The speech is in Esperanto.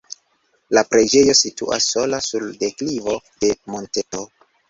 La preĝejo situas sola sur deklivo de monteto.